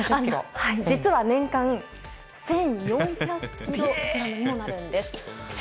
実は年間１４００ｋｇにもなるんです。